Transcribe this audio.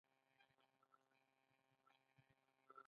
ایا دا ناروغي به زما په اولاد کې وي؟